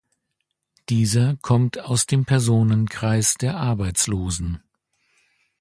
Dieser kommt aus dem Personenkreis der Arbeitslosen.